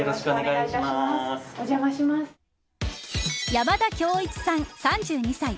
山田喬一さん、３２歳。